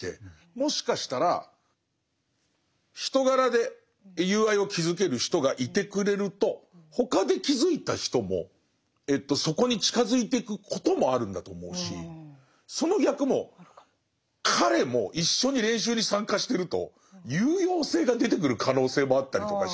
もしかしたら人柄で友愛を築ける人がいてくれると他で築いた人もそこに近づいてくこともあるんだと思うしその逆も彼も一緒に練習に参加してると有用性が出てくる可能性もあったりとかして。